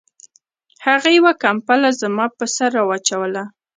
هغې یوه کمپله زما په سر را واچوله